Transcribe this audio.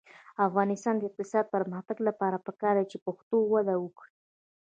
د افغانستان د اقتصادي پرمختګ لپاره پکار ده چې پښتو وده وکړي.